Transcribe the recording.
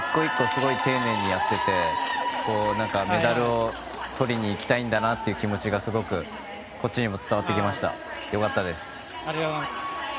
すごく丁寧にやっていてメダルを取りに行きたいんだなという気持ちがすごくこっちにも伝わってきました。